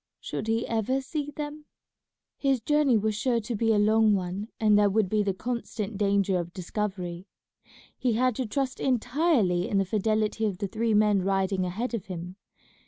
Should he ever see them? His journey was sure to be a long one, and there would be the constant danger of discovery. He had to trust entirely in the fidelity of the three men riding ahead of him.